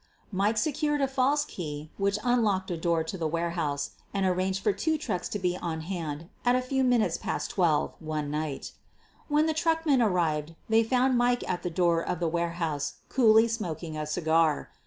Mike secured a false key whicl unlocked a door to the warehouse, and arranged for two trucks to be on hand at a few minutes past 12 one night. When the truckmen arrived they found Mike at the door of the warehouse coolly smoking a cigar.